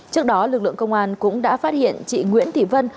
trước đó lực lượng công an cũng đã phát hiện chị nguyễn thị vân